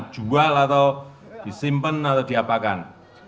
jual atau disimpan atau diapakan